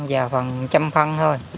và phần chăm phân